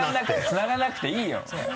つながなくていいよ。